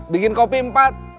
bikin kopi empat